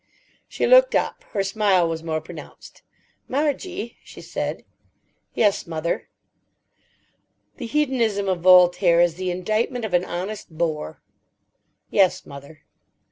She looked up. Her smile was more pronounced. "Margie," she said. "Yes, mother?" "The hedonism of Voltaire is the indictment of an honest bore." "Yes, mother."